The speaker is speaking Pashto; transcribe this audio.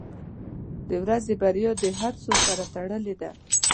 • د ورځې بریا د هڅو سره تړلې ده.